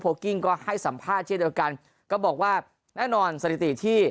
กิ้งก็ให้สัมภาษณ์เช่นเดียวกันก็บอกว่าแน่นอนสถิติที่